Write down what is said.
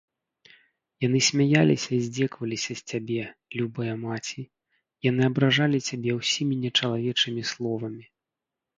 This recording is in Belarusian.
Яны смяяліся і здзекваліся з цябе, любая маці, яны абражалі цябе ўсімі нечалавечымі словамі.